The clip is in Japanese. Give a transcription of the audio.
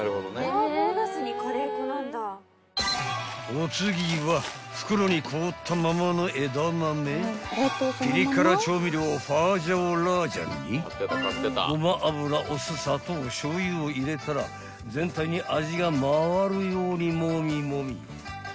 ［お次は袋に凍ったままのえだまめピリ辛調味料花椒辣醤にごま油お酢砂糖しょう油を入れたら全体に味が回るようにもみもみ］